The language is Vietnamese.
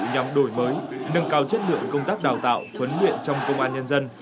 nhằm đổi mới nâng cao chất lượng công tác đào tạo huấn luyện trong công an nhân dân